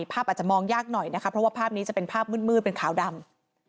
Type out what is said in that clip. อาจจะมองยากหน่อยนะคะเพราะว่าภาพนี้จะเป็นภาพมืดเป็นขาวดำ